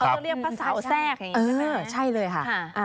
เขาเรียกพระเสาแทรกใช่เลยค่ะ